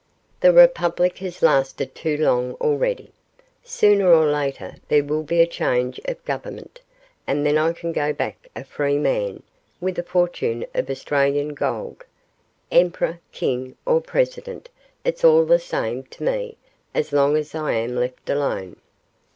The Republic has lasted too long already. Sooner or later there will be a change of Government, and then I can go back a free man, with a fortune of Australian gold. Emperor, King, or President, it's all the same to me, as long as I am left alone.